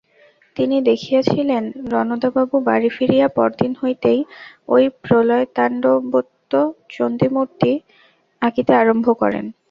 তিনি দেখিয়াছিলেন, রণদাবাবু বাড়ী ফিরিয়া পরদিন হইতেই ঐ প্রলয়তাণ্ডবোন্মত্ত চণ্ডীমূর্তি আঁকিতে আরম্ভ করেন।